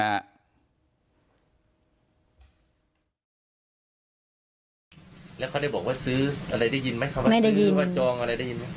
แล้วเขาได้บอกว่าซื้ออะไรได้ยินไหมเขาไม่ได้ยื่นว่าจองอะไรได้ยินไหม